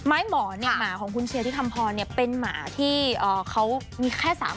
ไม้หมอนีให้มาของคุณเชียร์ที่คำพรเนี่ยเป็นหมาที่เขามีแค่๓ขาป